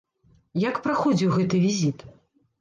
Як праходзіў гэты візіт?